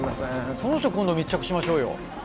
この人今度密着しましょうよ。